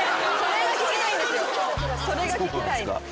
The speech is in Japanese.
それが聞きたいです。